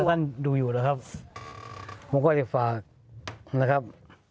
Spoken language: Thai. ท่านดูอยู่นะครับผมก็จะฝากนะครับ